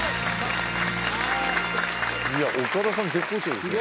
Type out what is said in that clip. いや岡田さん絶好調ですね